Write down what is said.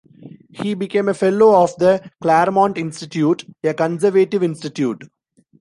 He became a fellow of the Claremont Institute, a conservative institute.